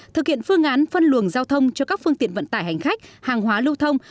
thực hiện phương án phân luồng giao thông cho các phương tiện vận tải hành khách hàng hóa lưu thông